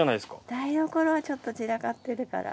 台所はちょっと散らかってるから。